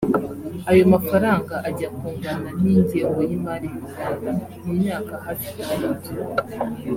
Ayo mafaranga ajya kungana n’ingengo y’imari y’u Rwanda mu myaka hafi itandatu